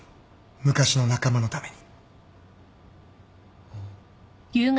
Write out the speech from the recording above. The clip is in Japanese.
昔の仲間のために。